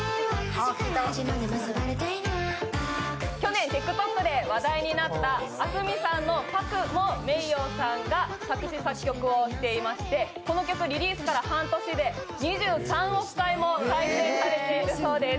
去年、ＴｉｋＴｏｋで話題になったａｓｕｍｉさんの「ＰＡＫＵ」もｍｅｉｙｏさんが作詞・作曲をしていまして、この曲リリースから半年で２３億回も再生されているそうです。